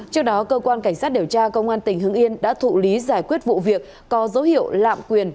trước đó cơ quan cảnh sát điều tra công an tỉnh hưng yên đã thụ lý giải quyết vụ việc có dấu hiệu lạm quyền